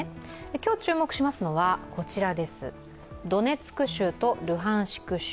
今日注目しますのは、ドネツク州とルハンシク州。